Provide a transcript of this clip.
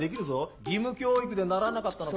義務教育で習わなかったのか？